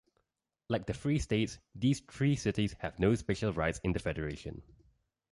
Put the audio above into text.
Like the Free States these three cities have no special rights in the federation.